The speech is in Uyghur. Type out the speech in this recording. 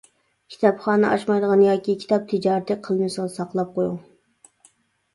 كىتابخانا ئاچمايدىغان ياكى كىتاب تىجارىتى قىلمىسىڭىز ساقلاپ قويۇڭ.